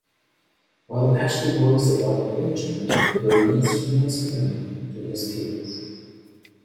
While Ashley worries about the arrangement, Bernice remains "ignorant" to his feelings.